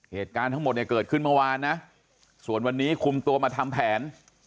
เหตุการณ์ทั้งหมดเนี่ยเกิดขึ้นเมื่อวานนะส่วนวันนี้คุมตัวมาทำแผน